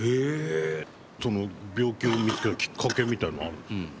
その病気を見つけるきっかけみたいなのはあるんですか？